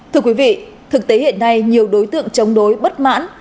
thưa quý vị thực tế hiện nay nhiều đối tượng chống đối bất mãn